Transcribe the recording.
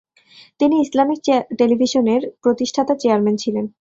তিনি ইসলামিক টেলিভিশনের প্রতিষ্ঠাতা চেয়ারম্যান ছিলেন।